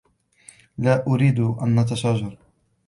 لا أريد أن نتشاجر.